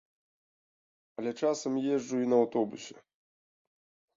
Але часам езджу і на аўтобусе.